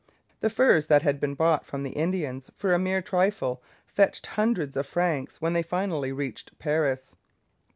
The furs that had been bought from the Indian for a mere trifle fetched hundreds of francs when they finally reached Paris.